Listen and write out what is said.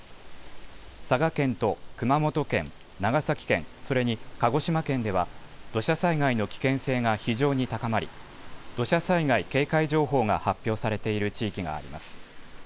佐賀県と熊本県、長崎県、それに鹿児島県では土砂災害の危険性が非常に高まり土砂災害警戒情報が発表されている地域があります。